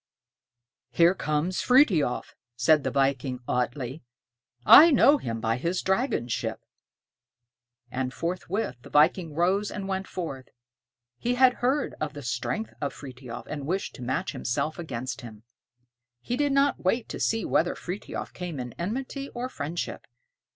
"Here comes Frithiof," said the viking Atlé. "I know him by his dragon ship." And forthwith the viking rose and went forth; he had heard of the strength of Frithiof, and wished to match himself against him. He did not wait to see whether Frithiof came in enmity or friendship.